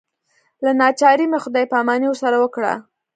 له ناچارۍ مې خدای پاماني ورسره وکړه.